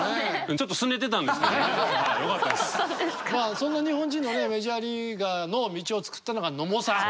そんな日本人のねメジャーリーガーの道を作ったのが野茂さん。